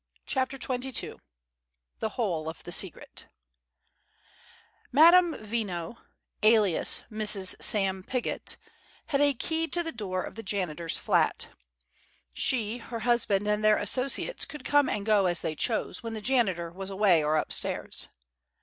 CHAPTER XXII THE WHOLE OF THE SECRET Madame Veno alias Mrs. Sam Piggott had a key to the door of the janitor's flat. She, her husband, and their associates could come and go as they chose when the janitor was away or upstairs.